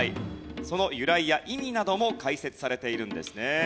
その由来や意味なども解説されているんですね。